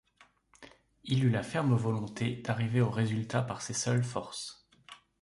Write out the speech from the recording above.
Il eut la ferme volonté d'arriver au résultat par ses seules forces.